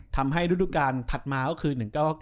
ทำให้รูดุการถัดมาก็คือ๑๙๙๙๒๐๐๐